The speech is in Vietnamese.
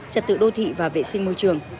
trật tự đô thị và vệ sinh môi trường